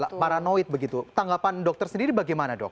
pak paranoid begitu tanggapan dokter sendiri bagaimana dok